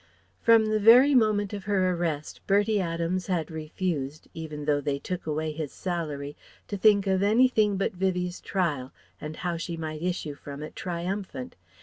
From the very moment of her arrest, Bertie Adams had refused even though they took away his salary to think of anything but Vivie's trial and how she might issue from it triumphant.